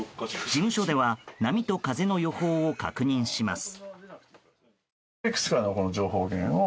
事務所では波と風の予報を確認します。